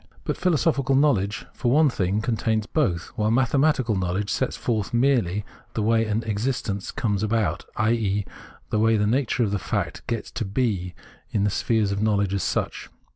But philosophical knowledge, for one thing, contains both, while mathematical knowledge sets forth merely the way an existence comes about, i.e. the way the nature of the fact gets to be in the sphere of know ledge as such.